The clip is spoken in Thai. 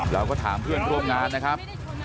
เราก็ถามเพื่อนร่วมงานนะครับ